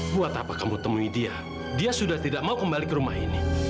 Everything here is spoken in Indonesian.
buat apa kamu temui dia dia sudah tidak mau kembali ke rumah ini